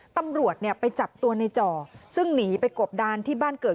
ตำรวจไปจับตัวในจ่อซึ่งหนีไปกบดานที่บ้านเกิด